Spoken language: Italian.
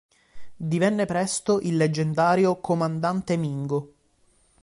Divenne presto il leggendario "comandante Mingo".